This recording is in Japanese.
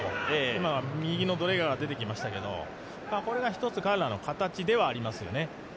今、右のドレーガーが出てきましたけどこれが一つ、彼らの形ではありますよね。